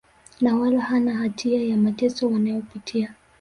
na wala hawana hatia ya mateso wanayopitia